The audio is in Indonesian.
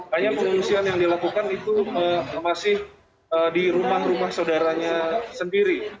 hanya pengungsian yang dilakukan itu masih di rumah rumah saudaranya sendiri